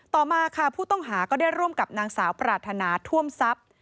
ต่อมาค่ะผู้ต้องหาก็ได้ร่วมกับนางสาวปรารถนาท่วมทรัพย์